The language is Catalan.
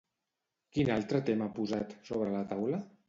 Quin altre tema ha posat sobre la taula?